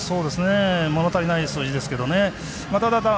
もの足りない数字ですけどね。